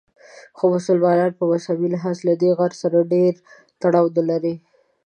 خو مسلمانان په مذهبي لحاظ له دې غره سره ډېر تړاو نه لري.